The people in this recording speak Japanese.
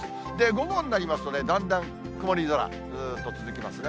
午後になりますと、だんだん曇り空、ずーっと続きますね。